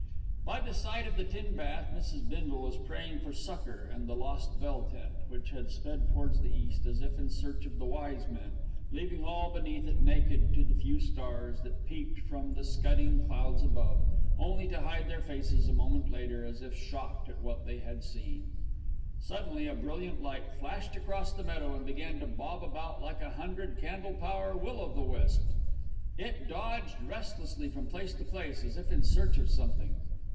By the side of the tin bath Mrs. Bindle was praying for succour and the lost bell tent, which had sped towards the east as if in search of the wise men, leaving all beneath it naked to the few stars that peeped from the scudding clouds above, only to hide their faces a moment later as if shocked at what they had seen. Suddenly a brilliant light flashed across the meadow and began to bob about like a hundred candle power will o' the wisp. It dodged restlessly from place to place, as if in search of something.